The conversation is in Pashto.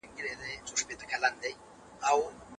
هغه وايي چي د دولت زیان د ځواکونو له درلودو سره تړاو لري.